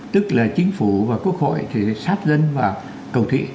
tức là chính phủ và quốc hội thì sát dân vào cầu thị